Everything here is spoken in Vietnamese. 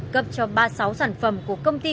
cấp cho ba mươi sáu sản phẩm của công ty